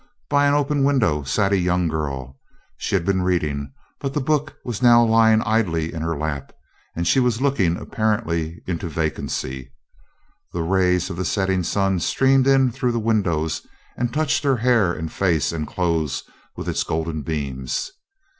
By an open window sat a young girl. She had been reading, but the book was now lying idly in her lap, and she was looking apparently into vacancy. The rays of the setting sun streamed in through the windows, and touched hair and face and clothes with its golden beams.